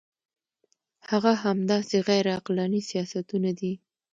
هغه همدا غیر عقلاني سیاستونه دي.